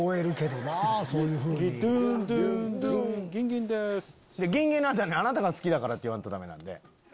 ギンギンの後「あなたが好きだから」って言わんとダメなんで。